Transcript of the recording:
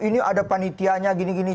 ini ada panitianya gini gini